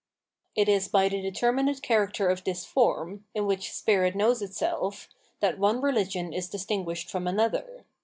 It is by the determinate character of this form, in w^hich spirit knows itself, that one rehgion is dis tinguished from another.